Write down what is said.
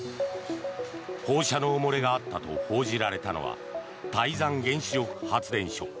放射能漏れがあったと報じられたのは台山原子力発電所。